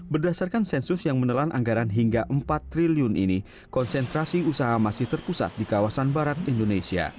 berdasarkan sensus yang menelan anggaran hingga empat triliun ini konsentrasi usaha masih terpusat di kawasan barat indonesia